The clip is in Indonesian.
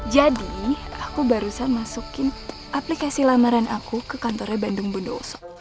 jadi aku barusan masukin aplikasi lamaran aku ke kantornya bandung bunda warsop